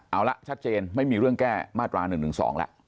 เอาละชัดเจนไม่มีเรื่องแก้มาตรา๑๑๒แล้ว